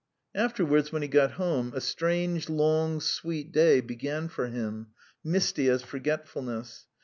Afterwards, when he got home, a strange, long, sweet day began for him, misty as forgetfulness.